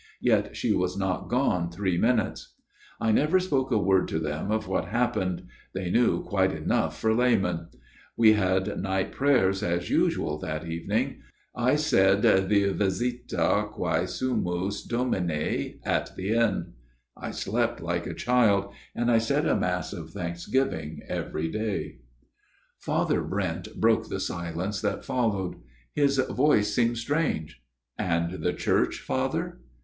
Yet she was not gone three minutes. " I never spoke a word to them of what hap pened they knew quite enough for laymen. We had night prayers as usual that evening. I said the Visita quaesumus Domine at the end. " I slept like a child ; and I said a mass of thanksgiving next day/' Father Brent broke the silence that followed. His voice seemed strange. " And the church, Father